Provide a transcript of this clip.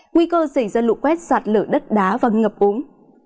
nguy cơ xảy ra lụ quét sạt lửa đất đá và ngập uống